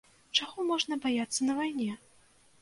Чаго можна баяцца на вайне?